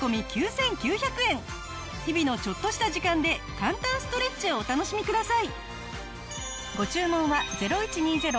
日々のちょっとした時間で簡単ストレッチをお楽しみください。